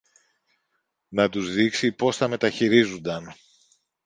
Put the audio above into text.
να τους δείξει πώς τα μεταχειρίζουνταν.